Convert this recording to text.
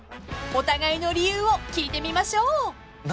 ［お互いの理由を聞いてみましょう］